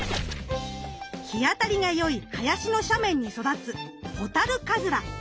日当たりが良い林の斜面に育つホタルカズラ。